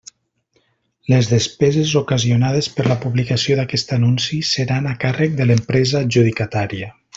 Les despeses ocasionades per la publicació d'aquest anunci seran a càrrec de l'empresa adjudicatària.